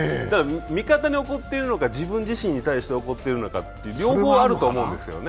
味方に怒っているのか、自分自身に対して怒っているのか、両方あると思うんですよね。